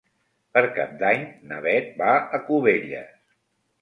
Per Cap d'Any na Beth va a Cubelles.